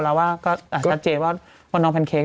แล้วชัดเจ๊ว่าน้องแพนเค้ก